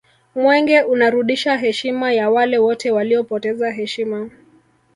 mwenge unarudisha heshima ya wale wote waliopoteza heshima